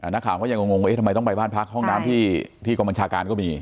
นักข่าวก็ยังงงว่าทำไมต้องไปบ้านพักห้องน้ำที่กองบัญชาการก็มี